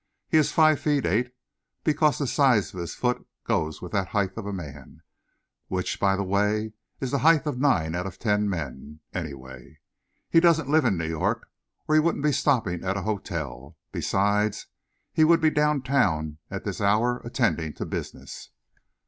He is five feet eight, because the size of his foot goes with that height of man, which, by the way, is the height of nine out of ten men, any way. He doesn't live in New York or he wouldn't be stopping at a hotel. Besides, he would be down town at this hour, attending to business."